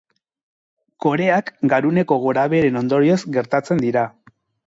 Koreak garuneko gorabeheren ondorioz gertatzen dira.